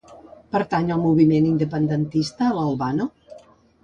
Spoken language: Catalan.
Pertany al moviment independentista el Albano?